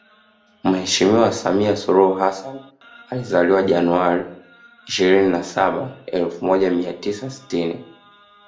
Mheshimiwa Samia Suluhu Hassan alizaliwa Januari ishirini na saba elfu moja mia tisa sitini